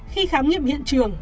khi khám nghiệm hiện trường